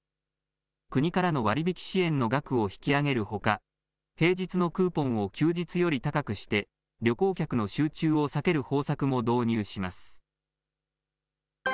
国からの割引支援の額を引き上げるほか、平日のクーポンを休日より高くして、旅行客の集中を避ける方策も導入します。